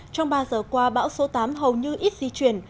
trong ba giờ qua bão số tám hầu như ít di chuyển